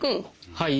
はい？